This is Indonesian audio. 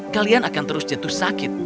kalian akan terus jatuh sakit